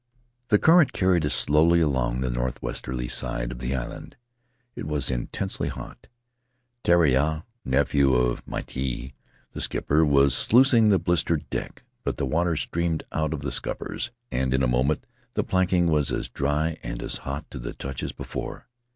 The current carried us slowly along the north westerly side of the island. It was intensely hot. Teriaa, nephew of Miti, the skipper, was sluicing the blistered deck, but the water steamed out of the scup pers, and in a moment the planking was as dry and as hot to the touch as before.